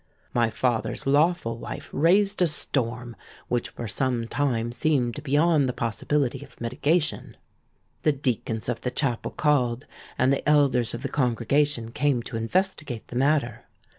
My father's lawful wife raised a storm which for some time seemed beyond the possibility of mitigation; the deacons of the chapel called, and the elders of the congregation came to investigate the matter.